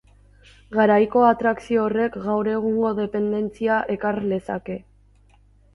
Garaiko atrakzio horrek gaur egungo dependentzia ekar lezake.